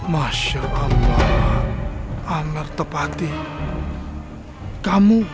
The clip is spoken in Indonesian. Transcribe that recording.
masya allah amerta pati kamu